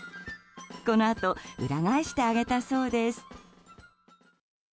このあと裏返してあげたそうです。